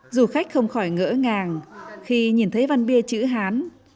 du khách không khỏi ngỡ ngàng khi nhìn thấy văn bia chữ hán